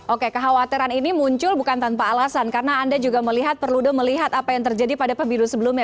oke kekhawatiran ini muncul bukan tanpa alasan karena anda juga melihat perlu melihat apa yang terjadi pada pemilu sebelumnya